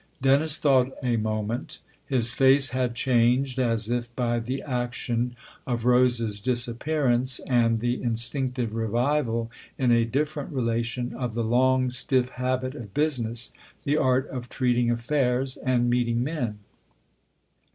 Dennis thought a moment ; his face had changed as if by the action of Rose's disappearance and the instinctive revival, in a different relation, of the long, stiff habit of business, the art of treating THE OTHER HOUSE 283 affairs and meeting men.